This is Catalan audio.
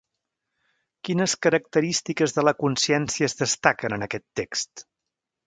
Quines característiques de la consciència es destaquen en aquest text?